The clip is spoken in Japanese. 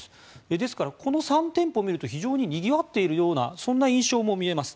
ですからこの３店舗を見ると非常ににぎわっているような印象も見えます。